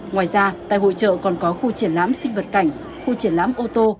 ngoài ra tại hội trợ còn có khu triển lãm sinh vật cảnh khu triển lãm ô tô